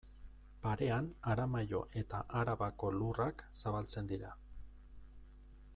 Parean Aramaio eta Arabako lurrak zabaltzen dira.